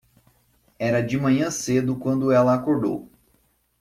Era de manhã cedo quando ela acordou.